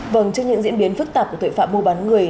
vâng trước những diễn biến phức tạp của tội phạm mua bán người